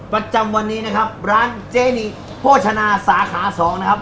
ประจำวันนี้นะครับร้านเจนีโภชนาสาขาสองนะครับ